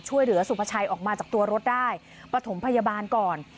ช่วยเหลือสุภาชัยออกมาจากตัวรถได้ประถมพยาบาลก่อน